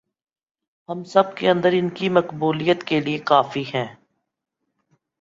ہم سب کے اندر ان کی مقبولیت کے لئے کافی ہیں